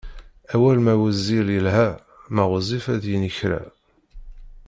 Awal ma wezzil yelha ma ɣezzif ad yini kra!